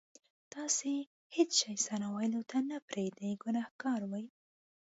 تاسې هېڅ شی ثنا ویلو ته نه پرېږدئ ګناهګار وئ.